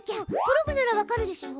プログならわかるでしょ？